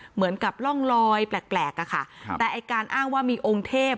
เหมือนกับร่องลอยแปลกอะค่ะแต่ไอ้การอ้างว่ามีองค์เทพ